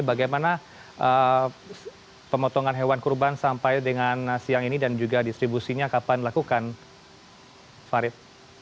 bagaimana pemotongan hewan kurban sampai dengan siang ini dan juga distribusinya kapan dilakukan farid